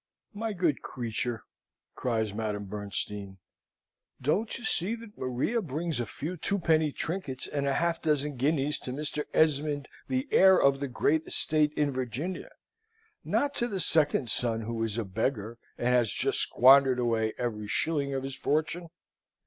"My good creature," cries Madame Bernstein, "don't you see that Maria brings a few twopenny trinkets and a half dozen guineas to Mr. Esmond, the heir of the great estate in Virginia, not to the second son, who is a beggar, and has just squandered away every shilling of his fortune?